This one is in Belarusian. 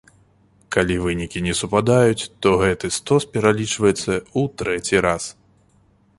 Калі вынікі не супадаюць, то гэты стос пералічваецца ў трэці раз.